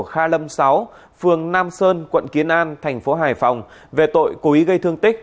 kha lâm sáu phường nam sơn quận kiến an tp hải phòng về tội cố ý gây thương tích